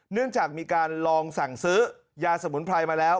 เนื่องจากมีการลองสั่งซื้อยาสมุนไพรมาแล้ว